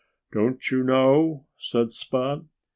"Don't you know?" said Spot.